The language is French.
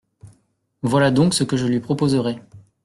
Voilà donc ce que je lui proposerais.